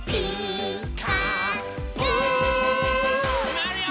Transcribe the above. まわるよ。